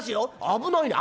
「危ないな」。